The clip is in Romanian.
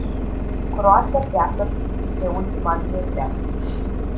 Croația se află pe ultima linie dreaptă.